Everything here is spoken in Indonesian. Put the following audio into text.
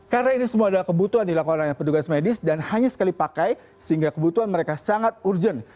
karena ini semua adalah kebutuhan dilakukan oleh petugas medis dan hanya sekali pakai sehingga kebutuhan mereka sangat urgent